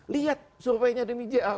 lihat surveinya denny ja